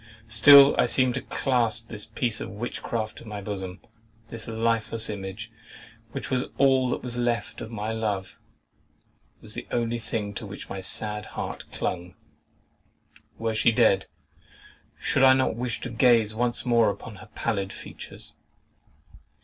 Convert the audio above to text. Still I seemed to clasp this piece of witchcraft to my bosom; this lifeless image, which was all that was left of my love, was the only thing to which my sad heart clung. Were she dead, should I not wish to gaze once more upon her pallid features?